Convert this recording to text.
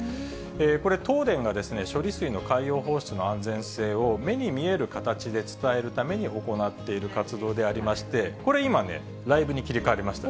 これ、東電が処理水の海洋放出の安全性を、目に見える形で伝えるために行っている活動でありまして、これ今ね、ライブに切り替わりました。